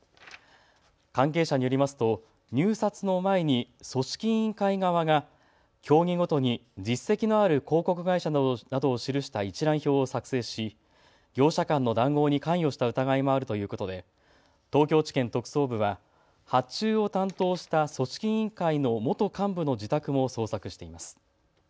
関係者によりますと入札の前に組織委員会側が競技ごとに実績のある広告会社などを記した一覧表を作成し業者間の談合に関与した疑いもあるということで東京地検特捜部は発注を担当した組織委員会の元幹部の自宅も捜索しています。